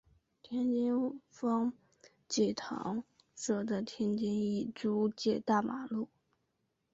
天津方济堂设在天津意租界大马路。